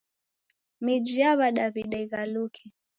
Miji ya w'adaw'ida ighaluke.